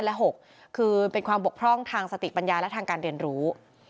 และ๖คือเป็นความบกพร่องทางสติปัญญาและทางการเรียนรู้